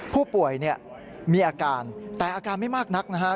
ผู้ป่วยเนี่ยมีอาการแต่อาการไม่มากนักนะฮะ